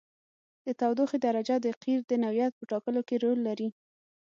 د تودوخې درجه د قیر د نوعیت په ټاکلو کې رول لري